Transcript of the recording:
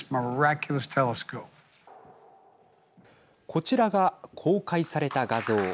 こちらが公開された画像。